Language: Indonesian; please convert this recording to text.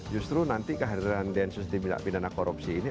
justru nanti kehadiran densus di bidang bidang korupsi ini